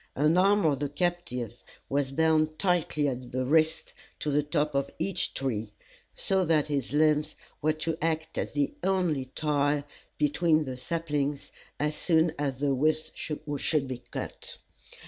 An arm of the captive was bound tightly at the wrist to the top of each tree, so that his limbs were to act as the only tie between the saplings, as soon as the withes should be cut.